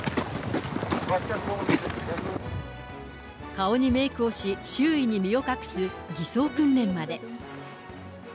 顔にメークをし、周囲に身を隠す偽装訓練まで。